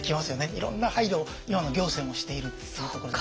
いろんな配慮を今の行政もしているっていうところで。